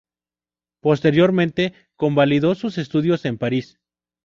Posteriormente convalidó sus estudios en París.